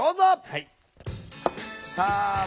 はい。